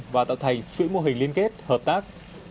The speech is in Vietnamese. và tạo thành chuỗi mô hình liên kết hợp tác